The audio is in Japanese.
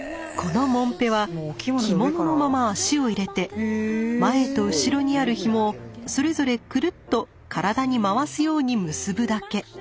このもんぺは着物のまま足をいれて前と後ろにある紐をそれぞれくるっと体に回すように結ぶだけ。